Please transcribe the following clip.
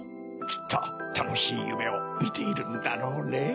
きっとたのしいゆめをみているんだろうねぇ。